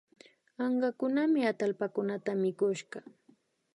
Ankakunami atallpakunata mikushka